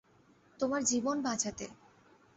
তোমার জীবন বাচাঁতে।